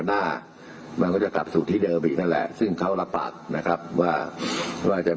มีศาสตราจารย์พิเศษวิชามหาคุณเป็นประเทศด้านกรวมความวิทยาลัยธรม